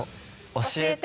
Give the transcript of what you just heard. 『教えて！